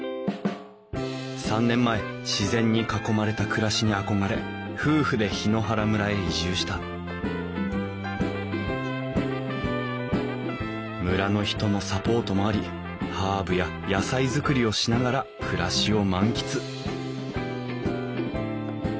３年前自然に囲まれた暮らしに憧れ夫婦で檜原村へ移住した村の人のサポートもありハーブや野菜作りをしながら暮らしを満喫